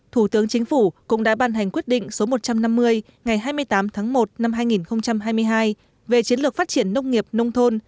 thủ tướng chính phủ cũng đã ban hành quyết định số một trăm năm mươi ngày hai mươi tám tháng một năm hai nghìn hai mươi hai về chiến lược phát triển nông nghiệp nông thôn